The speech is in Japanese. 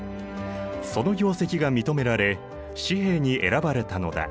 その業績が認められ紙幣に選ばれたのだ。